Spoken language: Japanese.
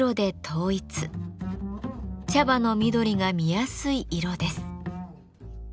茶葉の緑が見やすい色です。